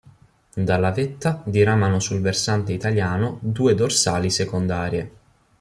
Dalla vetta diramano sul versante italiano due dorsali secondarie.